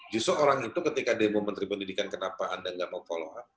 justru orang itu ketika demo menteri pendidikan kenapa anda nggak mau follow up